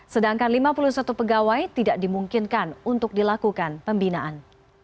sedangkan lima puluh satu pegawai tidak dimungkinkan untuk dilakukan pembinaan